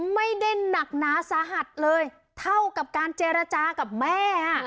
ไม่ได้หนักหนาสาหัสเลยเท่ากับการเจรจากับแม่